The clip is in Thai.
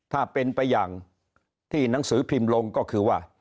ถ้าเป็นไปอย่างที่หนังสือพิมพ์ลงก็คือว่า